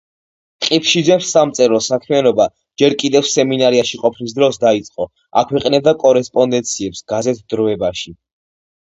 ყიფშიძემ სამწერლო საქმიანობა ჯერ კიდევ სემინარიაში ყოფნის დროს დაიწყო, აქვეყნებდა კორესპონდენციებს გაზეთ „დროებაში“.